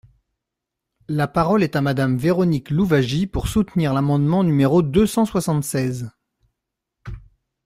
La parole est à Madame Véronique Louwagie, pour soutenir l’amendement numéro deux cent soixante-seize.